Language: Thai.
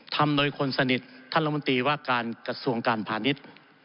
ทำโดยคนสนิทท่านละมนตรีว่าการกระทรวงการพาณิชย์